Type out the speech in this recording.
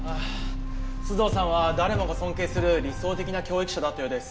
須藤さんは誰もが尊敬する理想的な教育者だったようです。